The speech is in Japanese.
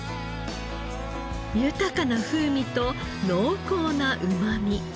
豊かな風味と濃厚なうまみ。